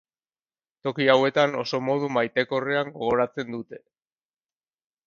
Toki hauetan oso modu maitekorrean gogoratzen dute.